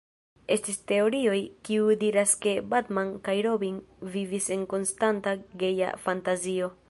Estis teorioj kiuj diras ke Batman kaj Robin vivis en konstanta geja fantazio.